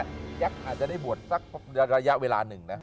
ยักษ์อาจจะได้บวชสักระยะเวลาหนึ่งนะ